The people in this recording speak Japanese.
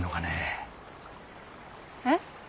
えっ？